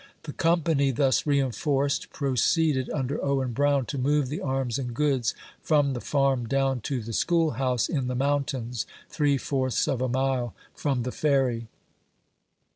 The company, thus reinforced, proceeded, under Owen Brown, to move the arms and goods from the Farm down to the school house in the mountains, three fourths of a mile from the Ferry.